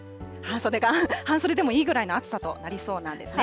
半袖でもいいぐらいの暑さとなりそうなんですね。